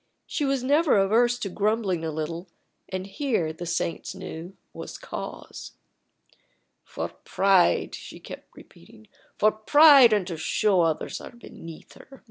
She was never averse to grumbling a little, and here, the saints knew, was cause. "For pride," she kept repeating; "for pride, and to show that others are beneath her!